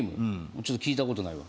ちょっと聞いたことないわ